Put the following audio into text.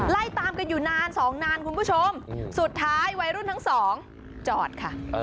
ไล่ตามกันอยู่นานสองนานคุณผู้ชมสุดท้ายวัยรุ่นทั้งสองจอดค่ะ